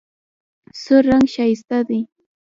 سور رنګ ښایسته دی.